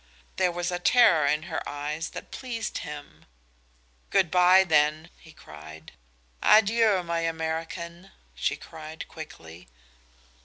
There was a terror in her eyes that pleased him. "Good by, then," he cried. "Adieu, my American," she cried quickly.